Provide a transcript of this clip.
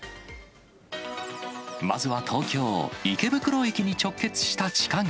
まずは東京・池袋駅に直結した地下街。